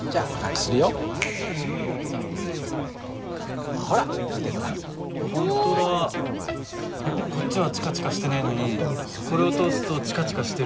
すごい。こっちはチカチカしてないのにこれを通すとチカチカしてる。